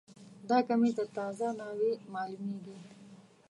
دا کمیس د تازه ناوې معلومیږي